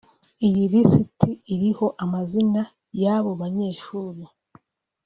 Iyi lisiti iriho amazina y’abo banyeshuri